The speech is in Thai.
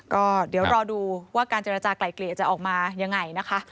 ก็เดี๋ยวรอดูว่าการเจรจากลายเกลี่ยจะออกมายังไงนะคะ